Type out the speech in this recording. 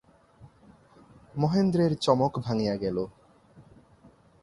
মহেন্দ্রের চমক ভাঙিয়া গেল।